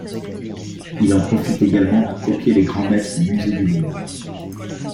Il en profite également pour copier les grands maîtres au musée du Louvre.